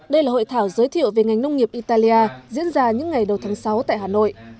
đây là hội thảo giới thiệu về ngành nông nghiệp italia diễn ra những ngày đầu tháng sáu tại hà nội